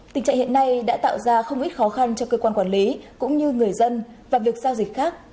tình trạng hiện nay đã tạo ra không ít khó khăn cho cơ quan quản lý cũng như người dân và việc giao dịch khác